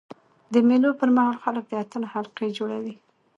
د مېلو پر مهال خلک د اتڼ حلقې جوړوي.